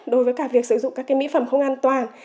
đối với cả việc sử dụng các mỹ phẩm không an toàn